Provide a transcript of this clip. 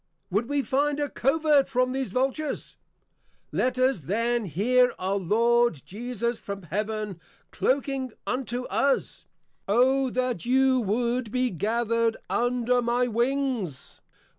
Would we find a Covert from these Vultures? Let us then Hear our Lord Jesus from Heaven Clocquing unto us, _O that you would be gathered under my wings!